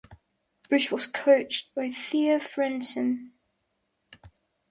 Busch was coached by Thea Frenssen.